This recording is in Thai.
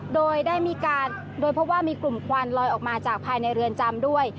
โดยได้มีการโดยเพราะว่ามีกลุ่มควันลอยออกมาจากภายในเรือนจำด้วย